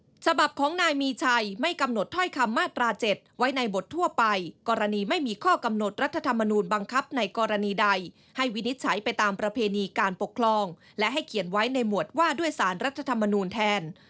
ฉบับของนายมีชัยไม่กำหนดถ้อยคำมาตรา๗ไว้ในบททั่วไปกรณีไม่มีข้อกำหนดรัฐธรรมนูลบังคับในกรณีใดให้วินิจฉัยไปตามประเพณีการปกครองและให้เขียนไว้ในหมวดว่าด้วยสารรัฐธรรมนูลแทน